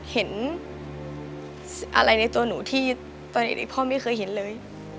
เห็นอะไรในตัวหนูที่ตอนเด็กพ่อไม่เคยเห็นเลย